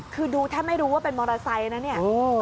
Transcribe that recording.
คือดูแทบไม่รู้ว่าเป็นมอเตอร์ไซค์นะเนี่ย